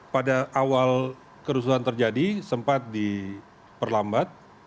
pada awal kerusuhan terjadi sempat diperlambat